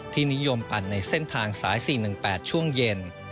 นิยมปั่นในเส้นทางสาย๔๑๘ช่วงเย็น